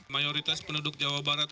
mayoritas penduduk jawa barat